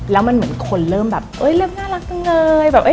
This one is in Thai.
แล้วมันเหมือนคนเริ่มแบบเริ่มน่ารักจังเลยแบบ